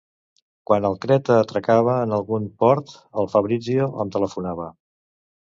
Quan el Creta atracava en algun port el Fabrizio em telefonava.